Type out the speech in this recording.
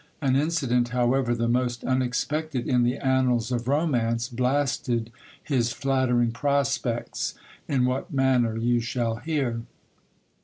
An incident, however, the most unexpected in the annals of romance, blasted his flattering prospects ; in what manner you shall hear.